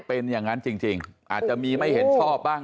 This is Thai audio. เป็นอย่างนั้นจริงอาจจะมีไม่เห็นชอบบ้าง